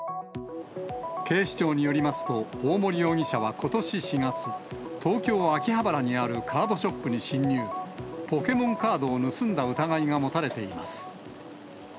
警視庁によりますと、大森容疑者はことし４月、東京・秋葉原にあるカードショップに侵入、ポケモンカードを盗んだ疑いが持たれています。